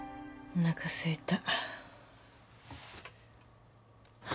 おなかすいた。